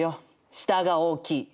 下が大きい。